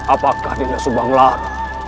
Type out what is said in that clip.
apakah dinda supanglor